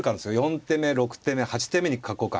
４手目６手目８手目に角交換。